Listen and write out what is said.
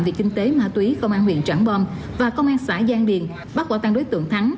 về kinh tế ma túy công an huyện trảng bom và công an xã giang điền bắt quả tăng đối tượng thắng